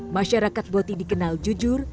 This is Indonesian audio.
masyarakat boti dikenal jujur